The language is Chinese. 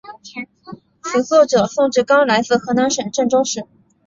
词作者宋志刚来自河南省郑州市。